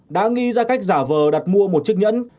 đã nghĩ ra cách giả vờ đặt mua một chiếc nhẫn